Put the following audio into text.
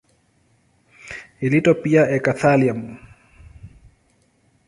Iliitwa pia eka-thallium.